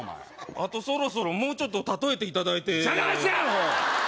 あとそろそろもうちょっと例えていただいてじゃかましいわアホ！